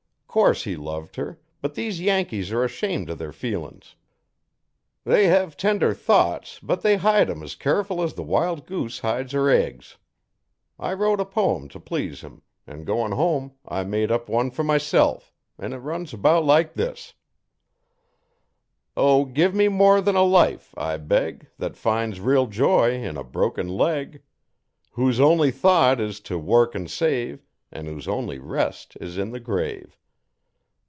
'Course he loved her, but these Yankees are ashamed o' their feelin's. They hev tender thoughts, but they hide 'em as careful as the wild goose hides her eggs. I wrote a poem t' please him, an' goin' home I made up one fer myself, an 'it run 'bout like this: O give me more than a life, I beg, That finds real joy in a broken leg. Whose only thought is t' work an' save An' whose only rest is in the grave.